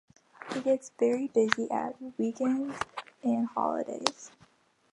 It gets very busy at weekends and holidays.